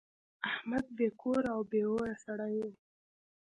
احمد بې کوره او بې اوره سړی دی.